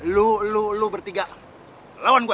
lu lu bertiga lawan gue